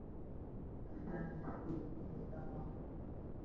sita nne sifuri moja tano